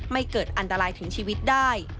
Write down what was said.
ไม่เกิดอันตรายถึงชีวิตได้